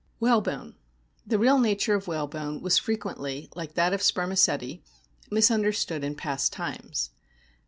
WHALEBONE The real nature of whalebone was frequently, like that of spermaceti, misunderstood in past times.